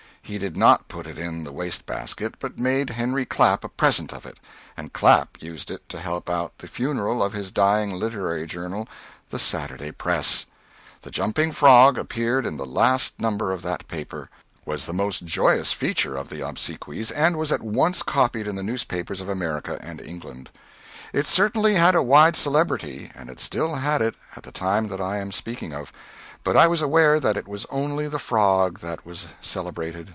He did not put it in the waste basket, but made Henry Clapp a present of it, and Clapp used it to help out the funeral of his dying literary journal, The Saturday Press. "The Jumping Frog" appeared in the last number of that paper, was the most joyous feature of the obsequies, and was at once copied in the newspapers of America and England. It certainly had a wide celebrity, and it still had it at the time that I am speaking of but I was aware that it was only the frog that was celebrated.